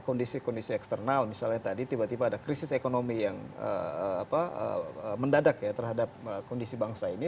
kondisi kondisi eksternal misalnya tadi tiba tiba ada krisis ekonomi yang mendadak ya terhadap kondisi bangsa ini